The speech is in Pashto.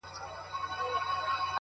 ه بيا دي په سرو سترگو کي زما ياري ده ـ